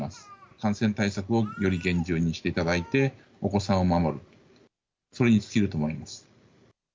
感染対策をより厳重にしていただいて、お子さんを守る、それに尽きると思います。